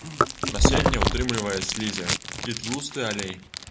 Насенне ўтрымлівае слізі і тлусты алей.